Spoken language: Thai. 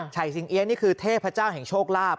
สิงเอี๊ยนี่คือเทพเจ้าแห่งโชคลาภ